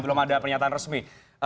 belum ada pernyataan resmi